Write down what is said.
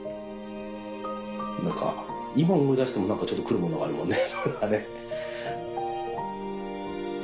何か今思い出してもちょっと来るものがあるもんね。